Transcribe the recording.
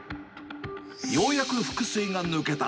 ようやく腹水が抜けた。